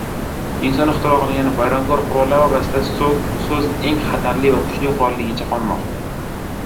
Inson ixtiro qilgan vayronkor qurollar orasida so‘z eng xatarli va kuchli qurolligicha qolmoqda.